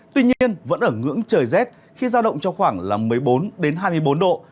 tuy nhiên vẫn ở ngưỡng trời rét khi giao động trong khoảng một mươi bốn hai mươi bốn độ